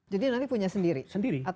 jadi nanti punya sendiri